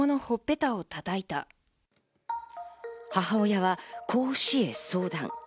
母親は、こう市へ相談。